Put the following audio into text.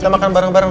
sebentar ya pak